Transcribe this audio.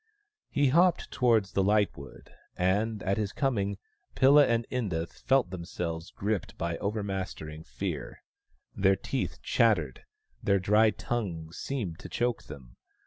He hopped towards the lightwood, and at his coming Pilla and Inda felt themselves gripped by overmastering fear. Their teeth chattered ; their dry tongues seemed to choke them.